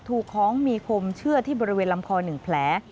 ถูกของมีคมเชื่อที่บริเวณลำคอ๑แผล